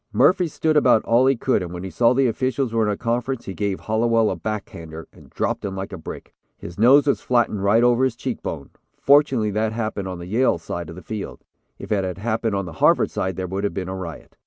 "Murphy stood about all he could and when he saw the officials were in a conference he gave Hallowell a back hander, and dropped him like a brick. His nose was flattened right over his cheek bone. Fortunately that happened on the Yale side of the field. If it had happened on the Harvard side, there would have been a riot.